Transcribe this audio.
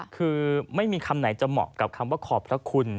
คือไม่มีคำไหนจะเหมาะกับคำว่าขอบพระคุณ